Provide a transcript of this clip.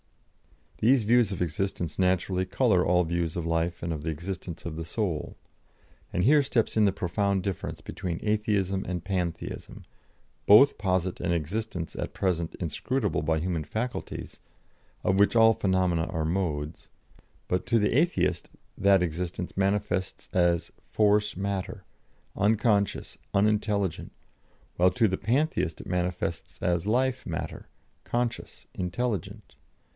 " These views of existence naturally colour all views of life and of the existence of the Soul. And here steps in the profound difference between Atheism and Pantheism; both posit an Existence at present inscrutable by human faculties, of which all phenomena are modes; but to the Atheist that Existence manifests as Force Matter, unconscious, unintelligent, while to the Pantheist it manifests as Life Matter, conscious, intelligent.